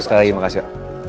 sekali lagi makasih ya